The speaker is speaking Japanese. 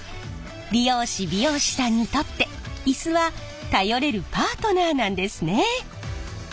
理容師・美容師さんにとってイスは頼れるパートナーなんですね。